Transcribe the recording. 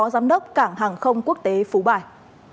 giám đốc cảng hàng không quốc tế phú bài